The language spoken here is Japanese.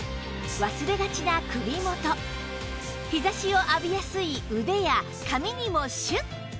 忘れがちな首元日差しを浴びやすい腕や髪にもシュッ！